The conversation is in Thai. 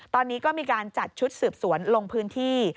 ตอนนี้ก็มีการจัดชุดสืบสวนลงพื้นที่